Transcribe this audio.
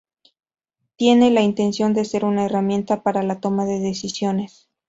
Tienen la intención de ser una herramienta para la toma de decisiones.